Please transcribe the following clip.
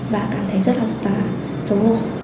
và cảm thấy rất là xấu hổ